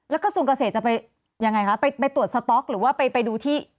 แล้วกระทรวงเกษตรจะไปยังไงคะไปตรวจสต๊อกหรือว่าไปดูที่